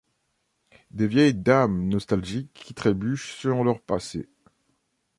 Des vieilles dames nostalgiques qui trébuchent sur leur passé.